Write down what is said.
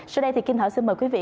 sau đây thì kim hảo sẽ mời quý vị